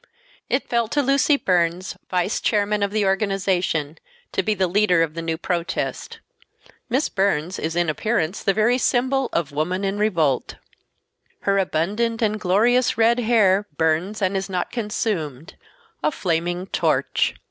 It fell to Lucy Burns, vice chairman of the organization, to be the leader of the new protest. Miss Burns is in appearance the very symbol of woman in revolt. Her abundant and glorious red hair burns and is not consumed—a flaming torch.